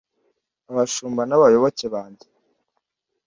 abashumba n'abayoboke, bajye